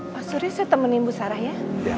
pak suri saya temenin bu sarah ya